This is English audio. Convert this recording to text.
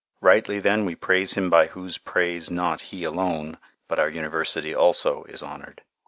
Rightly then we praise him by whose praise not he alone, but our University also is honored.